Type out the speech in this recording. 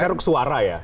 ceruk suara ya